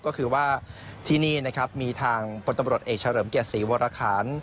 ก็คือว่าที่นี่มีทางบทบรดเอกเฉลิมเกียรติศรีวรคาณ